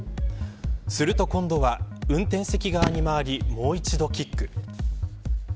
すると今度は、運転席側に回りもう一度キック。